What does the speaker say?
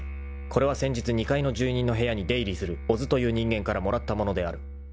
［これは先日２階の住人の部屋に出入りする小津という人間からもらったものである］